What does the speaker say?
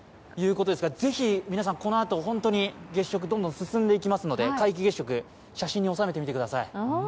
ぜひ皆さん、このあと月食どんどん進んでいきますので皆既月食、写真におさめてみてください。